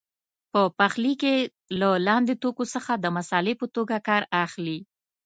په پخلي کې له لاندې توکو څخه د مسالې په توګه کار اخلي.